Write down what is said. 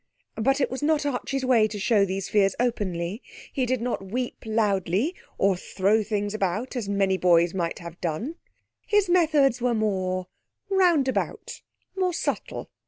But it was not Archie's way to show these fears openly. He did not weep loudly or throw things about as many boys might have done. His methods were more roundabout, more subtle.